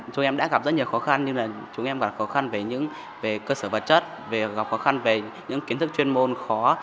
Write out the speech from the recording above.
chúng em đã gặp rất nhiều khó khăn nhưng chúng em còn khó khăn về cơ sở vật chất khó khăn về những kiến thức chuyên môn khó